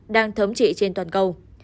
đang thấm trị trên toàn cầu